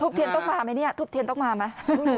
ทุบเทียนต้องมาไหมทุบเทียนต้องมาไหม